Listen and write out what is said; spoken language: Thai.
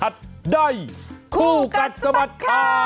ได้คู่กัดสมัครข่าว